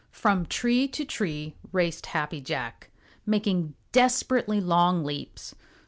From tree to tree raced Happy Jack, making desperately long leaps.